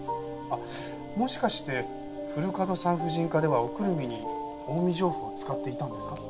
あっもしかして古門産婦人科ではおくるみに近江上布を使っていたんですか？